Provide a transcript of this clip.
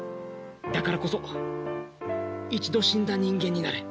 だからこそ一度死んだ人間になれ。